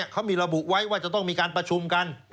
เขามีระบุไว้ว่าจะต้องมีการประชุมกัน